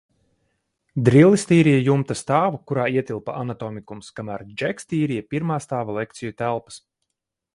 Drillis tīrīja jumta stāvu, kurā ietilpa anatomikums, kamēr Džeks tīrīja pirmā stāva lekciju telpas.